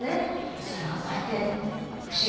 それがこうやって不思議ね。